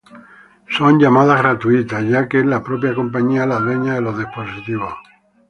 Son "llamadas" gratuitas, ya que es la propia compañía la dueña de los dispositivos.